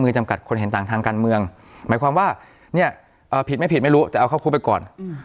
คือใช้กฎหมายแต่ว่าสารพิพักษ